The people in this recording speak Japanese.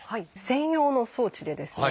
専用の装置でですね